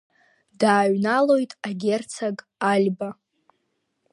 Дааҩналоит агерцог Альба.